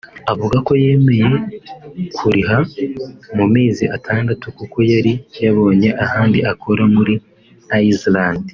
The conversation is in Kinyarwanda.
avuga ko yemeye kuriha mu mezi atandatu kuko yari yabonye ahandi akora muri Island